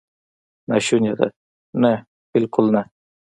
ناشونې ده؟ نه، بالکل نه!